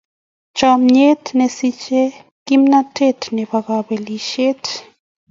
Chomnyet kosichei kimnatet nebo kabelisyet.